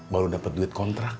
baru dapet duit kontraknya